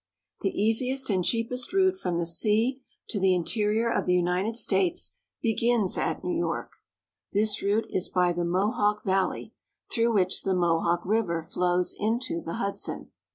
The easiest and cheapest route from the sea to the inte rior of the United States begins at New York. This route is by the Mohawk Valley, through which the Mohawk River flows into the Hudson.